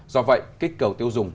do vậy kích cầu tiêu dùng